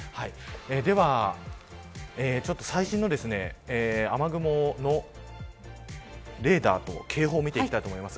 では最新の雨雲のレーダーと警報見ていきたいと思います。